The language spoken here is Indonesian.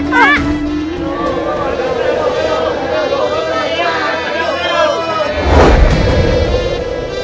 pak r b itu siluman ularnya pak r b